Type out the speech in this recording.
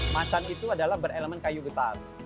macan itu adalah berelemen kayu besar